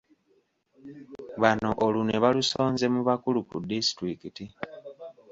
Bano olunwe balusonze mu bakulu ku disitulikiti